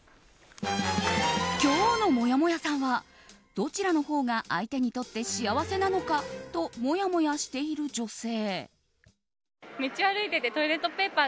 今日のもやもやさんはどちらのほうが相手にとって幸せなのかともやもやしている女性。